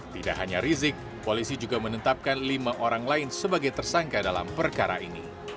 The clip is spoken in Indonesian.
tidak hanya rizik polisi juga menetapkan lima orang lain sebagai tersangka dalam perkara ini